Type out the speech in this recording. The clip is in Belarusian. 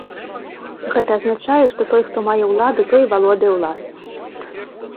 Гэта азначае, што той, хто мае ўладу, той і валодае ўласнасцю.